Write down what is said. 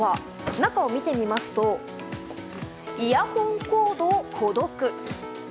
中を見てみますとイヤホンコードをほどく。